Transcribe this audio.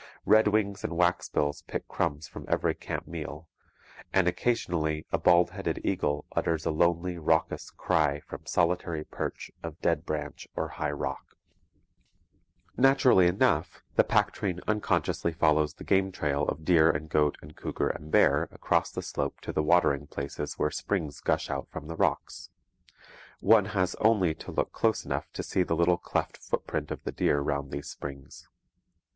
Redwings and waxbills pick crumbs from every camp meal; and occasionally a bald headed eagle utters a lonely raucous cry from solitary perch of dead branch or high rock. [Illustration: In the Rocky Mountains. From a photograph.] Naturally enough, the pack train unconsciously follows the game trail of deer and goat and cougar and bear across the slope to the watering places where springs gush out from the rocks. One has only to look close enough to see the little cleft footprint of the deer round these springs.